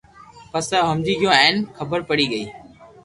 پسي او ھمجي گيو ھين خبر پڙي گئي